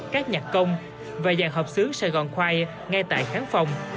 các nhạc công và dàn họp xứ sài gòn choir ngay tại khán phòng